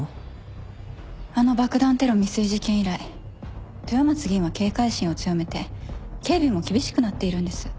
あの爆弾テロ未遂事件以来豊松議員は警戒心を強めて警備も厳しくなっているんです